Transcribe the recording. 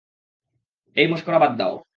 এই, মশকরা বাদ দাও।